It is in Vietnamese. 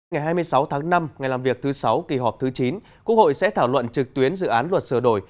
ngày hai mươi sáu tháng năm ngày làm việc thứ sáu kỳ họp thứ chín quốc hội sẽ thảo luận trực tuyến dự án luật sửa đổi